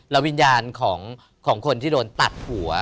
แล้ววิญญาณของคนที่โดนตัดหัว